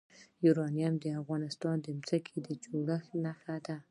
یورانیم د افغانستان د ځمکې د جوړښت نښه ده.